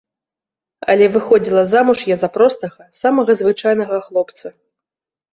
Але выходзіла замуж я за простага, самага звычайнага хлопца.